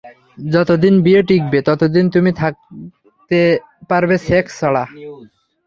যতদিন বিয়ে টিকবে, ততদিন তুমি থাকতে পারবে সেক্স ছাড়া।